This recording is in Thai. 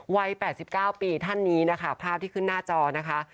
วัย๘๙ปีท่านนี้นะคะภาพที่ขึ้นหน้าจอนะคะ